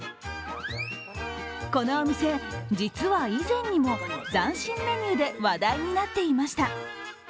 このお店、実は以前にも斬新メニューで話題になっていました。